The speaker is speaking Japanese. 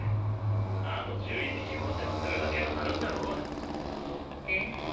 あと１１匹殺せば済むだけの話だろええ